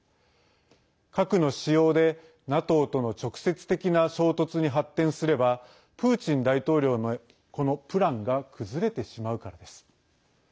核の使用で、ＮＡＴＯとの直接的な衝突に発展すればプーチン大統領のこのプランが崩れてしまうからです。